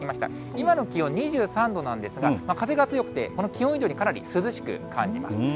今の気温２３度なんですが、風が強くてこの気温より、かなり涼しく感じます。